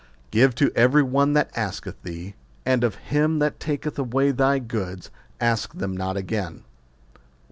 Give to every one that asketh thee ; and of him that taketh away thy goods ask them not again.